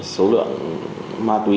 số lượng ma túy